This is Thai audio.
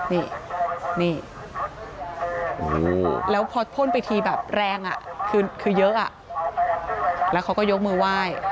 นี่นี่แล้วพอพ่นไปทีแบบแรงอ่ะคือเยอะแล้วเขาก็ยกมือไหว้